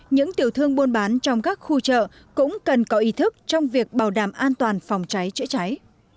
những tiểu thương buôn bán trong các khu chợ cũng cần có ý thức trong việc bảo đảm an toàn phòng cháy chữa cháy